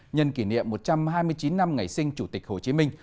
nhân kỷ niệm một trăm hai mươi chín năm ngày sinh chủ tịch hồ chí minh